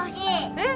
えっ？